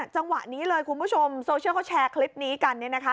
จังหวะนี้เลยคุณผู้ชมโซเชียลเขาแชร์คลิปนี้กัน